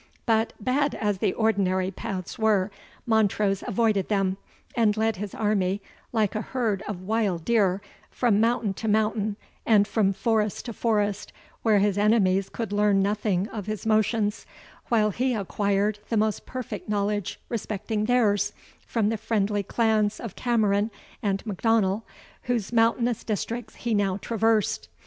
But, bad as the ordinary paths were, Montrose avoided them, and led his army, like a herd of wild deer, from mountain to mountain, and from forest to forest, where his enemies could learn nothing of his motions, while he acquired the most perfect knowledge respecting theirs from the friendly clans of Cameron and M'Donnell, whose mountainous districts he now traversed.